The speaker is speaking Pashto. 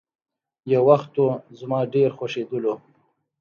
يو وخت وو، زما ډېر خوښيدلو.